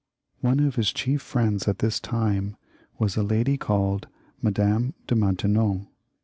One of his chief friends at this time was a lady caUed Madame de Maintenon.